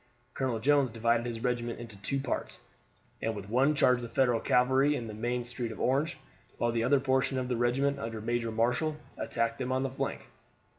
Colonel Jones divided his regiment into two parts, and with one charged the Federal cavalry in the main street of Orange, while the other portion of the regiment, under Major Marshall, attacked them on the flank.